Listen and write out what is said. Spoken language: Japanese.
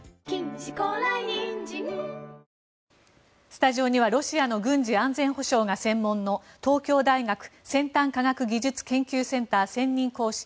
スタジオにはロシアの軍事・安全保障が専門の東京大学先端科学技術研究センター専任講師